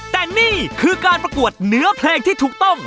แต่นี่คือการประกวดเนื้อเพลงที่ถูกต้อง